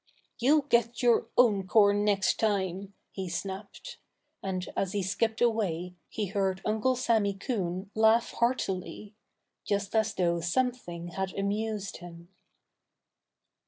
"You'll get your own corn next time," he snapped. And as he skipped away he heard Uncle Sammy Coon laugh heartily just as though something had amused him.